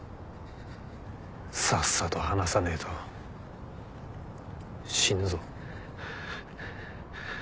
さっさと話さねえと死ぬぞ？